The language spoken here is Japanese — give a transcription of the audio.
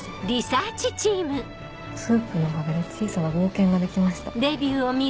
「スープのおかげで小さな冒険ができました！」。